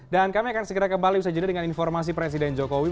dan kami akan segera kembali usai jeda dengan informasi presiden jokowi